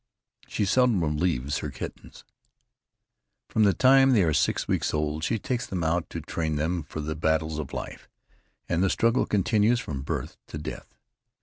She seldom leaves her kittens. From the time they are six weeks old she takes them out to train them for the battles of life, and the struggle continues from birth to death.